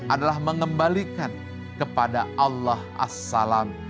adalah mengembalikan kepada allah as salam